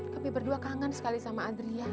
tapi berdua kangen sekali sama adria